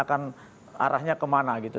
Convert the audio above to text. arahnya kemana gitu